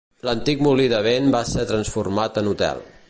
L'antic molí de vent va ser transformat en hotel.